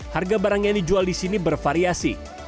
harga barang yang dijual di sini bervariasi